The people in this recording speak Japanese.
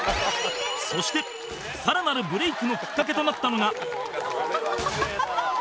そして更なるブレイクのきっかけとなったのが